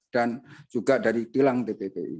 dan juga dari kilang tbbi